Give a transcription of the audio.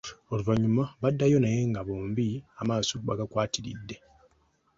Oluvanyuma baddayo naye nga bombi amaaso bagakwatiridde.